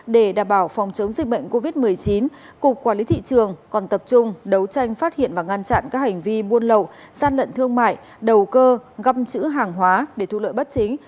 để đảm bảo phòng chống dịch bệnh covid một mươi chín cục quản lý thị trường còn tập trung đấu tranh phát hiện và ngăn chặn các hành vi buôn lậu gian lận thương mại đầu cơ găm chữ hàng hóa để thu lợi bất chính